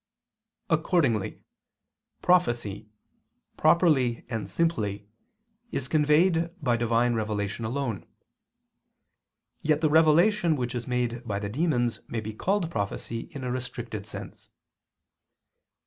Accordingly prophecy, properly and simply, is conveyed by Divine revelations alone; yet the revelation which is made by the demons may be called prophecy in a restricted sense.